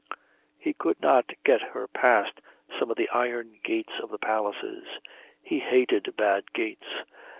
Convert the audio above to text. He could not get her past some of the iron gates of the palaces. He hated bad gates.